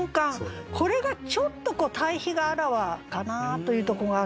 これがちょっと対比があらわかなというとこがあって。